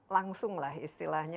langsung lah istilahnya